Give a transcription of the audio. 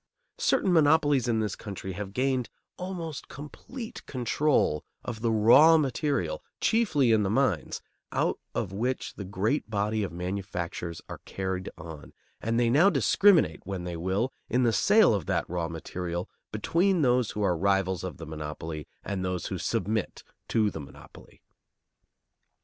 Certain monopolies in this country have gained almost complete control of the raw material, chiefly in the mines, out of which the great body of manufactures are carried on, and they now discriminate, when they will, in the sale of that raw material between those who are rivals of the monopoly and those who submit to the monopoly.